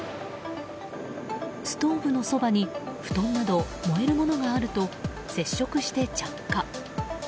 ストーブのそばに布団など燃えるものがあると接触して着火。